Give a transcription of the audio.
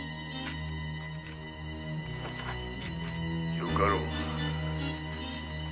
よかろう。